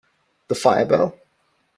The fire bell?